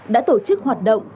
đã tổ chức hoạt động